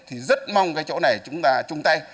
thì rất mong cái chỗ này chúng ta chung tay